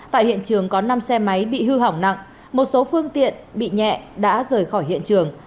tại hiện trường có năm xe máy bị hư hỏng nặng một số phương tiện bị nhẹ đã rời khỏi hiện trường